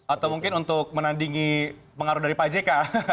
atau mungkin untuk menandingi pengaruh dari pak jk